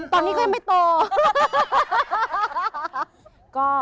ตอนนี้ก็ยังไม่โต